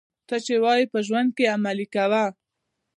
څه چي وايې په ژوند کښي ئې عملي کوه.